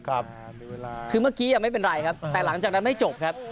คือเมื่อกี้ไม่เป็นไรครับแต่หลังจากนั้นไม่จบครับ